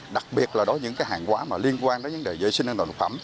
đặc biệt là đối với những hàng hóa liên quan đến vệ sinh năng lượng phẩm